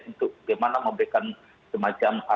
untuk bagaimana memberikan semacam